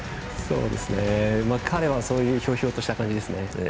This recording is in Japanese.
彼はそういうひょうひょうとした感じですね。